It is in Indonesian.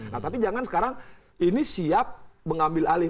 nah tapi jangan sekarang ini siap mengambil alih